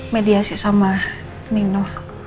mediasi sama nino